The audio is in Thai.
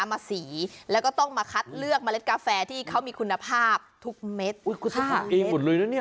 มาสีแล้วก็ต้องมาคัดเลือกเมล็ดกาแฟที่เขามีคุณภาพทุกเม็ดอุ้ยคุณต้องหาเองหมดเลยนะเนี่ย